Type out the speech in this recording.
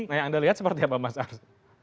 nah yang anda lihat seperti apa mas ars